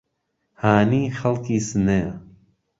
هانی خەڵکی سنەیە